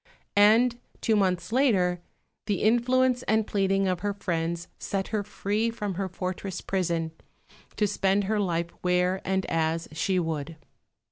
And two months later, the influence and pleading of her friends set her free from her fortress prison to spend her life where and as she would.